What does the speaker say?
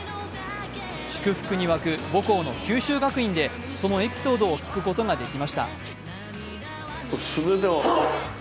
祝福に沸く母校の九州学院でそのエピソードを聞くことができました。